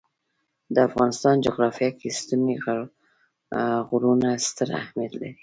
د افغانستان جغرافیه کې ستوني غرونه ستر اهمیت لري.